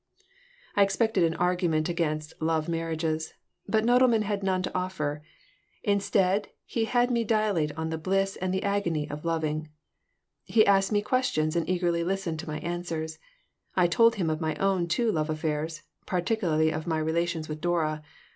I expected an argument against love marriages, but Nodelman had none to offer. Instead, he had me dilate on the bliss and the agony of loving. He asked me questions and eagerly listened to my answers. I told him of my own two love affairs, particularly of my relations with Dora.